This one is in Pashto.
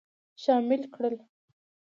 شامل کړل.